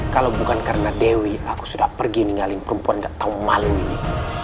kalau bukan karena dewi aku sudah pergi ninggalin perempuan gak tau malu ini